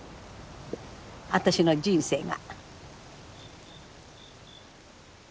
私の人生が。